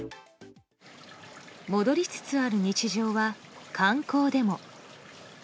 戻りつつある日常は観光でも。